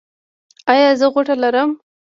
ایا زه غوټه لرم؟